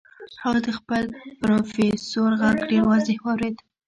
هغه د خپل پروفيسور غږ ډېر واضح واورېد.